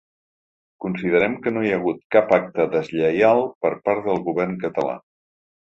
Considerem que no hi ha hagut cap acte deslleial per part del govern català.